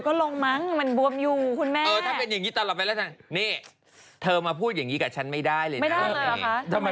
ก็พูดอย่างนี้กับฉันไม่ได้เลยนะ